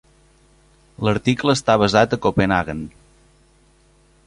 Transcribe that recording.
L"article està basat a Copenhagen.